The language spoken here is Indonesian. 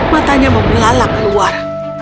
matanya membelalak keluar